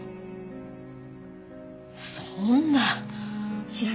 そんな。